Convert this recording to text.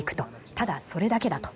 ただ、それだけだと。